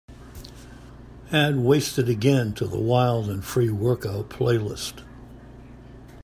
Add wastedagain to the wild & free workout playlist